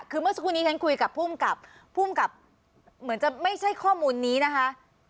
คือเมื่อสักครู่นี้ฉันคุยกับภูมิกับภูมิกับเหมือนจะไม่ใช่ข้อมูลนี้นะคะ